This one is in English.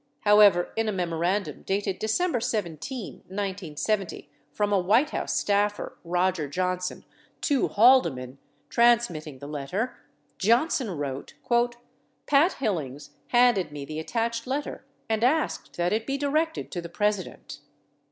However, in a memorandum dated December 17, 1970, from a White House staffer, Roger Johnson, to Haldeman, transmitting the letter, Johnson wrote: "Pat Hillings handed me the attached letter and asked that it be directed to the President."